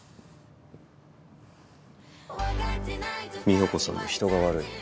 美保子さんも人が悪い。